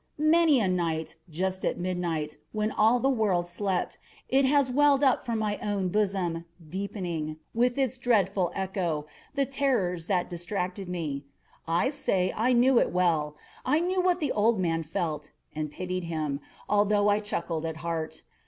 Many a night, just at midnight, when all the world slept, it has welled up from my own bosom, deepening, with its dreadful echo, the terrors that distracted me. I say I knew it well. I knew what the old man felt, and pitied him, although I chuckled at heart.